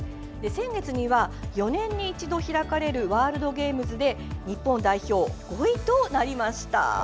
先月には、４年に一度開かれるワールドゲームズで日本代表、５位となりました。